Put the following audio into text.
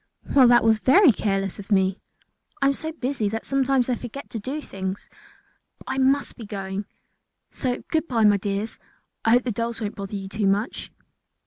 "Well, that was very careless of me. I am so busy that sometimes I forget to do things. But I must be going, so goodbye my dears; I hope the dolls won't bother you too much."